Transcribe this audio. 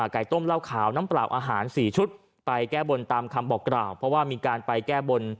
ไก่ต้มเหล้าขาวน้ำเปล่าอาหาร๔ชุดไปแก้บนตามคำบอกกล่าวเพราะว่ามีการไปแก้บน